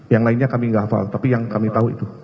yang lainnya kami nggak hafal tapi yang kami tahu itu